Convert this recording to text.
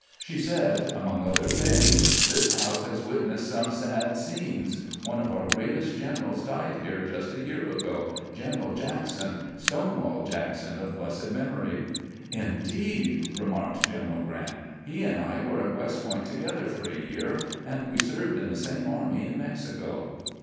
She said, among other things: " This house has witnessed some sad scenes. One of our greatest generals died here just a year ago — Gen eral Jackson — Stone weU Jackson of blessed memory." " Indeed !" remarked General Grant. " He and I were at West Point together for a year, and we served in the same army in Mexico."